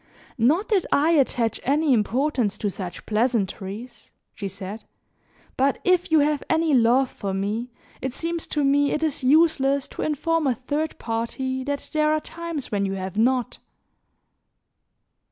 "Not that I attach any importance to such pleasantries," she said, "but if you have any love for me, it seems to me it is useless to inform a third party that there are times when you have not."